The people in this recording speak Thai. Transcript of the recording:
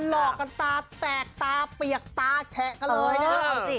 หลอกกันตาแตกตาเปียกตาแฉะกันเลยนะครับ